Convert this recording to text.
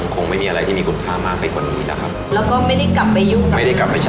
คงไม่มีอะไรที่มีคุณค่ามากให้คนนี้นะครับ